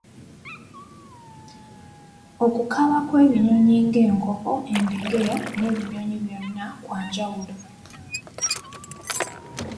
Okukaaba kw'ebinnyonyi ng'enkoko, endegeya n'ebinnyonyi byonna kwanjawulo.